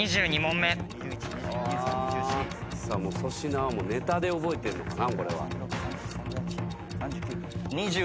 粗品はネタで覚えてるのかな？